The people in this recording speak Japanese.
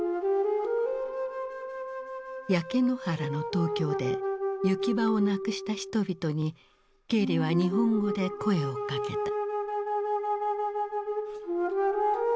焼け野原の東京で行き場をなくした人々にケーリは日本語で声をかけた。